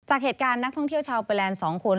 จากเหตุการณ์นักท่องเที่ยวชาวไปแลนด์๒คน